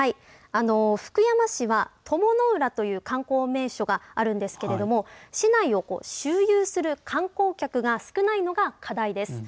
福山市は鞆の浦という観光名所があるんですけども市内を周遊する観光客が少ないのが課題です。